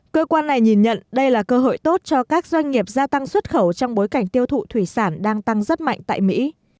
cơ quan này nhìn nhận đây là cơ hội tốt cho các doanh nghiệp gia tăng xuất khẩu trong bối cảnh tiêu thụ thủy sản đang tăng rất mạnh tại mỹ